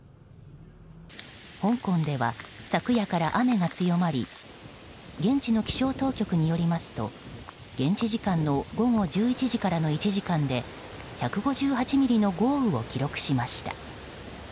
香港では昨夜から雨が強まり現地の気象当局によりますと現地時間の午後１１時からの１時間で１５８ミリの豪雨を記録しました。